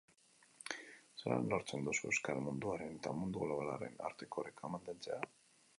Zelan lortzen duzu euskal munduaren eta mundu globalaren arteko oreka mantentzea?